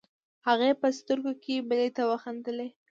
هغې په سترګو کې بلې ته وخندلې.